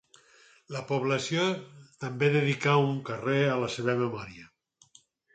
La població també dedicà un carrer a la seva memòria.